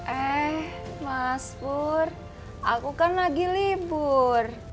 eh mas bur aku kan lagi libur